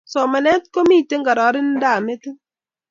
Somanet kokimiti kararanindap metit